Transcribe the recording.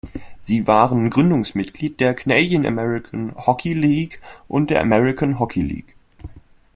Sie waren Gründungsmitglied der Canadian American Hockey League und der American Hockey League.